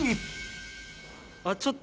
あっちょっと。